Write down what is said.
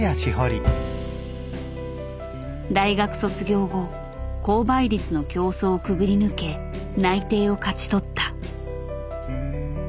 大学卒業後高倍率の競争をくぐり抜け内定を勝ち取った。